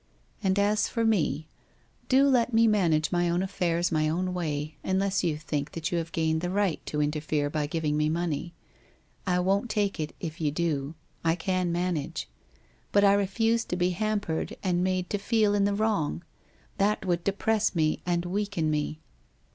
... And as for me, do let me manage my own affairs my own way, unless you think that you have gained the right to interfere by giving me money. I won't take it if you do. I can manage. But I refuse to be hampered and made to feel in the wrong. That would depress me and weaken me.